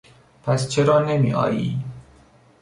پس چرا نمیآیی؟